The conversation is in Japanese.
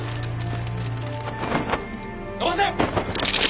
伸ばせ。